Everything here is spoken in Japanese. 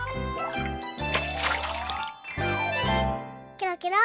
ケロケロ。